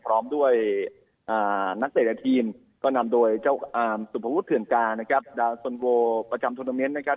พร้อมด้วยนักเตะในทีมก็นำโดยเจ้าสุภวุฒิเถื่อนกานะครับดาวสนโวประจำทวนาเมนต์นะครับ